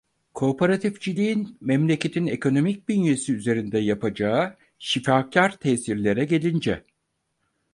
Kooperatifçiliğin memleketin ekonomik bünyesi üzerinde yapacağı şifakar tesirlere gelince…